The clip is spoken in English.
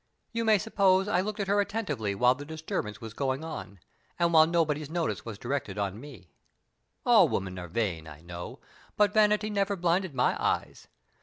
You may suppose I looked at her attentively while the disturbance was going on, and while nobody's notice was directed on me. All women are vain, I know, but vanity never blinded my eyes.